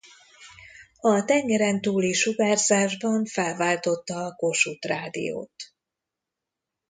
A tengeren túli sugárzásban felváltotta a Kossuth Rádiót.